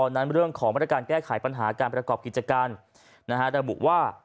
นั้นเรื่องของมาตรการแก้ไขปัญหาการประกอบกิจการระบุว่า